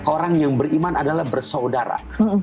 orang yang beriman adalah bersaudara